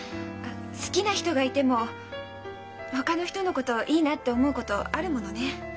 好きな人がいてもほかの人のことをいいなって思うことあるものね。